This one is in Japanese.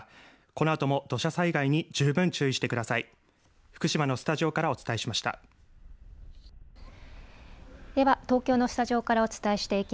このあとも土砂災害に十分注意してください。